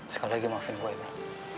sekali lagi maafin gue bel